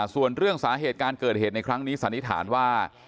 ส่วนเรื่องสาเหตุการเกิดเหตุในครั้งนี้สันนิษฐานว่า